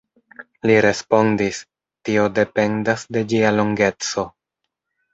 Li respondis: Tio dependas de ĝia longeco.